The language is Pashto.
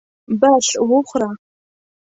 بس وخوره.